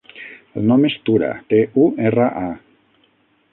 El nom és Tura: te, u, erra, a.